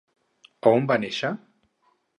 A on va néixer?